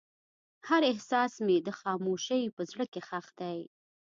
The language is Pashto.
هر احساس مې د خاموشۍ په زړه کې ښخ دی.